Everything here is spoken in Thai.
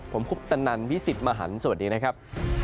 ผมคุปตนันพี่สิทธิ์มหันฯสวัสดีนะครับ